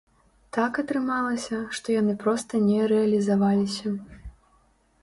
Так атрымалася, што яны проста не рэалізаваліся.